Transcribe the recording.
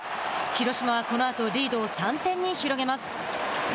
広島はこのあと、リードを３点に広げます。